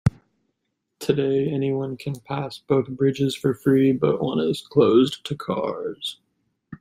Today, anyone can pass both bridges for free, but one is closed to cars.